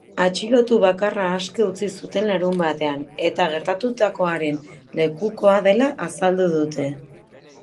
Atxilotu bakarra aske utzi zuten larunbatean, eta gertatutakoaren lekukoa dela azaldu dute.